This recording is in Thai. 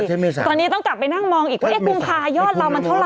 ตอนนี้ต้องกลับไปนั่งมองอีกว่ากุมภายอดเรามันเท่าไหร่นะ